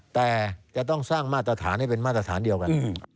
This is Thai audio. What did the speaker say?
แต่จะต้องสร้างมาตรฐานให้เป็นมาตรฐานเดียวกัน